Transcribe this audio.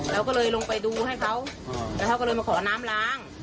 เราก็เลยลงไปดูให้เขาแล้วเขาก็เลยมาขอน้ำล้าง